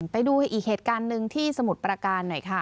ไปดูอีกเหตุการณ์หนึ่งที่สมุทรประการหน่อยค่ะ